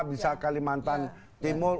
bisa kalimantan timur